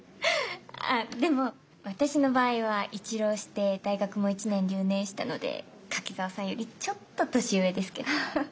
あっでも私の場合は一浪して大学も１年留年したので柿沢さんよりちょっと年上ですけど。